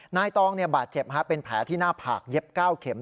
นายตองเนี่ยบาดเจ็บเป็นแผลที่หน้าผากเย็บก้าวเข็ม